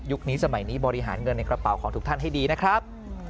สมัยนี้บริหารเงินในกระเป๋าของทุกท่านให้ดีนะครับ